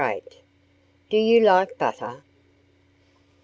VIII DO YOU LIKE BUTTER?